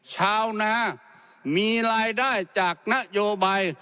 ชาวนามีรายได้จากนโยบาย